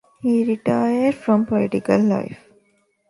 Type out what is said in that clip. He retired from political life.